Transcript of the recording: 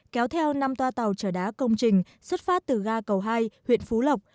kéo theo năm toa tàu trở đá công trình xuất phát từ ga cầu hai huyện phú lộc